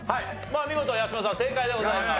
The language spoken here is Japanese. まあ見事八嶋さん正解でございます。